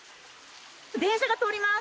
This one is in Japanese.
電車が通ります。